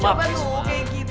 coba dulu kayak gitu